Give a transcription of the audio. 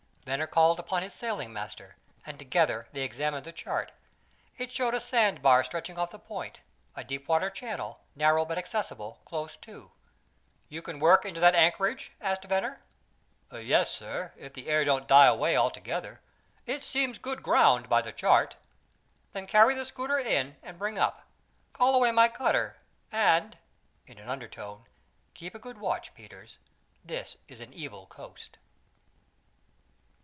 Venner called his sailing master, and together they examined the chart. It showed a sand bar stretching off the point, a deep water channel, narrow but accessible, close to. "You can work into that anchorage?" asked Venner. "Yes, sir, if the air don't die away altogether. It seems good ground by the chart." "Then carry the schooner in and bring up. Call away my cutter, and" in an undertone "keep a good watch, Peters, this is an evil coast."